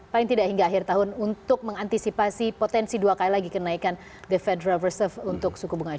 paling tidak hingga akhir tahun untuk mengantisipasi potensi dua kali lagi kenaikan the federal reserve untuk kebijakan bi